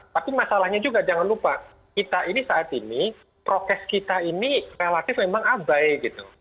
tapi masalahnya juga jangan lupa kita ini saat ini prokes kita ini relatif memang abai gitu